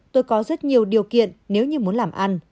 tôi có rất nhiều điều kiện nếu như muốn làm ăn